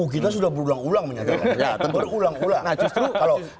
kita sudah berulang ulang menyatakan